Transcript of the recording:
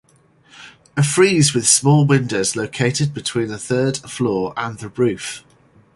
A frieze with small windows located between the third floor and the roof.